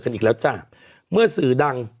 อีกแล้วจ้ะเมื่อสื่อดัง